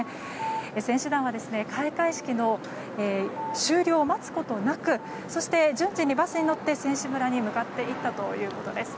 選手団は開会式の終了を待つことなくそして順次バスに乗って選手村に向かっていったということです。